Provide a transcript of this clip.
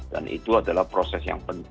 dan itu adalah proses yang penting